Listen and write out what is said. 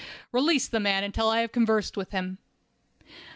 "Release the man until I have conversed with him."